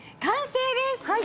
完成です。